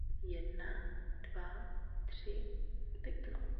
Za čtyři roky se podobně zapojil do kampaně Demokrata Baracka Obamy.